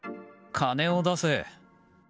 金を出せ。